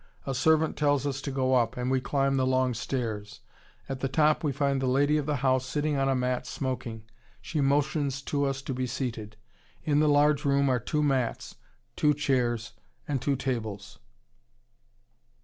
A servant tells us to go up, and we climb the long stairs. At the top we find the lady of the house sitting on a mat smoking. She motions us to be seated. In the large room are two mats, two chairs, and two tables."